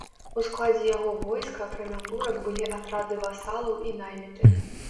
У складзе яго войска акрамя турак былі атрады васалаў і найміты.